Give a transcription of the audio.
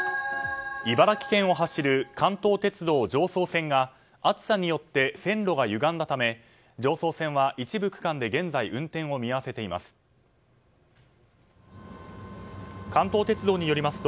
茨城県を走る関東鉄道常総線が暑さによって線路がゆがんだため常総線は一部区間で現在、運転を見合わせています。